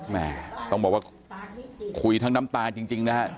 แม่ต้องบอกว่าคุยทั้งน้ำตาจริงนะฮะ